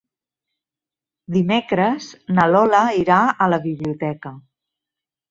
Dimecres na Lola irà a la biblioteca.